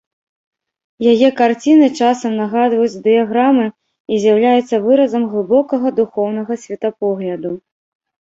Яе карціны часам нагадваюць дыяграмы і з'яўляюцца выразам глыбокага духоўнага светапогляду.